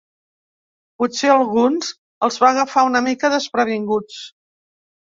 Potser a alguns els va agafar una mica desprevinguts.